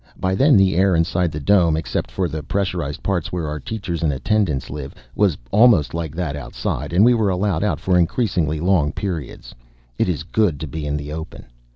By then the air inside the dome except for the pressurized parts where our teachers and attendants live was almost like that outside, and we were allowed out for increasingly long periods. It is good to be in the open.